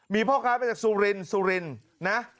มีพ่อครับมาจากสุรินนะ